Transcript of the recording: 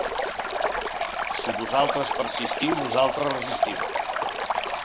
Si vosaltres persistiu nosaltres resistim.